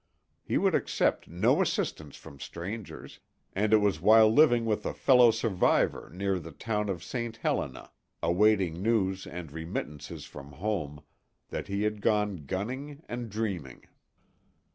He would accept no assistance from strangers, and it was while living with a fellow survivor near the town of St. Helena, awaiting news and remittances from home, that he had gone gunning and dreaming.